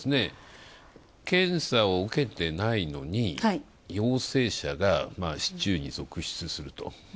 検査を受けてないのに陽性者が市中に続出すると。